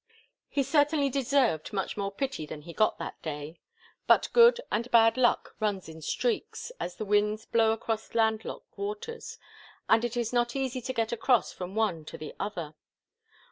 He certainly deserved much more pity than he got that day. But good and bad luck run in streaks, as the winds blow across land locked waters, and it is not easy to get across from one to the other.